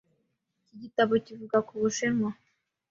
Iki gitabo kivuga ku Bushinwa.